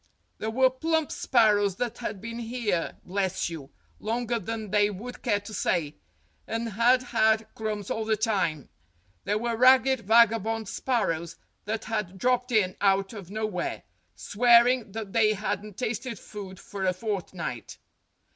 There were plump sparrows that had been here, bless you, longer than they would care to say, and had had crumbs all the time ; there were ragged vagabond spar rows that had dropped in out of nowhere, swearing that they hadn't tasted food for a fortnight.